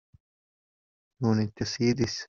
You need to see this.